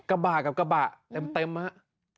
กระบะกับกระบะเต็มฮะ